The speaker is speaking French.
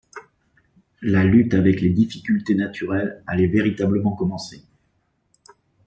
La lutte avec les difficultés naturelles allait véritablement commencer.